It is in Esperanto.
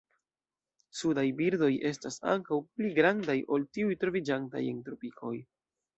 Sudaj birdoj estas ankaŭ pli grandaj ol tiuj troviĝantaj en tropikoj.